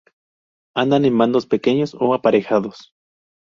Andan en bandos pequeños o aparejados.